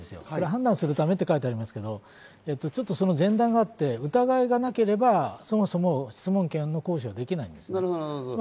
判断するためと書いてありますが、ちょっとその前段があって、疑いがなければそもそも質問権の行使はできないです。